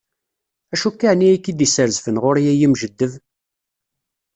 Acu akka ɛni ay k-id-isrezfen ɣur-i ay imjeddeb?